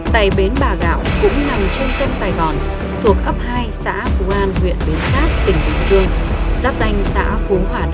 tần ấn hãy subscribe cho kênh ghiền mì gõ để không bỏ lỡ những video hấp dẫn